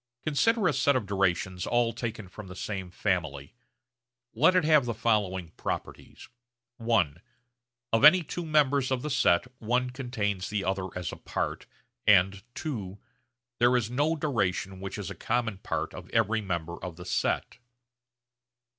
Consider a set of durations all taken from the same family. Let it have the following properties: (i) of any two members of the set one contains the other as a part, and (ii) there is no duration which is a common part of every member of the set.